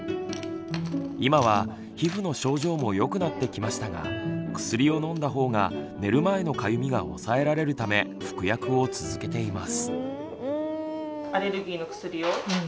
今は皮膚の症状もよくなってきましたが薬を飲んだ方が寝る前のかゆみが抑えられるため服薬を続けています。